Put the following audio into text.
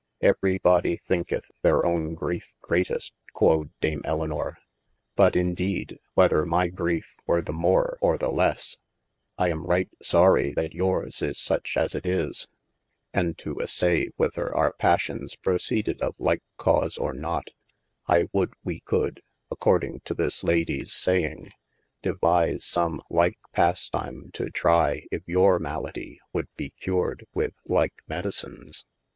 Every body thinketh their own greif greatest qd dame Elynor, but in deede whether my greife were the more or the lesse, I am right sorye that yours is such as it is : And to assay whither our passions proceded of lyke cause or not, I would we could (according to this Ladyes saying) devise some like pastimes to trie if your malladie would be cured with like medicines.